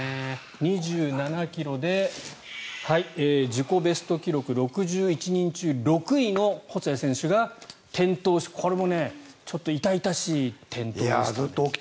２７ｋｍで自己ベスト記録６１人中６位の細谷選手が転倒して、これもちょっと痛々しい転倒でしたね。